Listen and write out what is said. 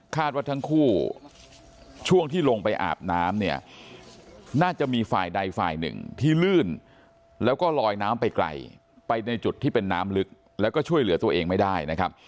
ว่าทั้งคู่ช่วงที่ลงไปอาบน้ำเนี่ยน่าจะมีฝ่ายใดฝ่ายหนึ่งที่ลื่นแล้วก็ลอยน้ำไปไกลไปในจุดที่เป็นน้ำลึกแล้วก็ช่วยเหลือตัวเองไม่ได้นะครับ